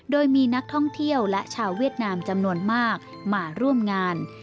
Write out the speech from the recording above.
โดยมีนักท่องเที่ยวและชาวเวียดนามจำนวนมากมาร่วมงาน